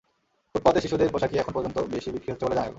ফুটপাতে শিশুদের পোশাকই এখন পর্যন্ত বেশি বিক্রি হচ্ছে বলে জানা গেল।